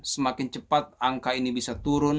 semakin cepat angka ini bisa turun